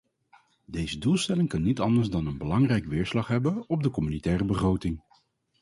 Deze doelstelling kan niet anders dan een belangrijke weerslag hebben op de communautaire begroting.